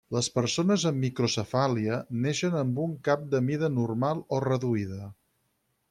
Les persones amb microcefàlia neixen amb un cap de mida normal o reduïda.